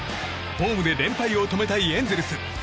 ホームで連敗を止めたいエンゼルス。